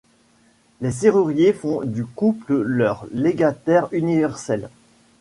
Les Serrurier font du couple leur légataire universel.